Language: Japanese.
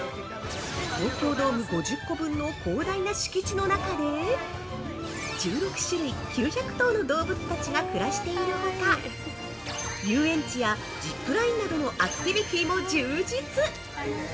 東京ドーム５０個分の広大な敷地の中で１６種類９００頭の動物たちが暮らしているほか遊園地やジップラインなどのアクティビティも充実！